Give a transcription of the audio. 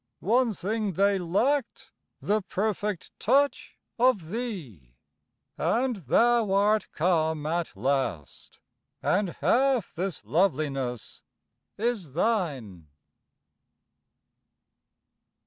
One thing they lacked: the perfect touch Of thee and thou art come at last, And half this loveliness is thine.